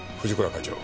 課長